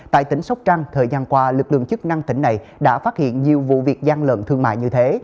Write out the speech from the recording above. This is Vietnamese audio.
tại tỉnh sóc trăng thời gian qua lực lượng chức năng tỉnh này đã phát hiện nhiều vụ việc gian lận thương mại như thế